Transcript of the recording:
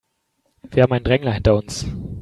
Wir haben einen Drängler hinter uns.